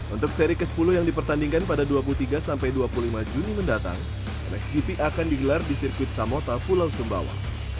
untuk seri ke sepuluh yang dipertandingkan pada dua puluh tiga sampai dua puluh lima juni mendatang mxgp akan digelar di sirkuit samota pulau sumbawa